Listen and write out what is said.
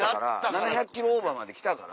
７００ｋｍオーバーまで来たから。